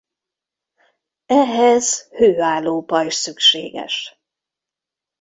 Ehhez hőálló pajzs szükséges.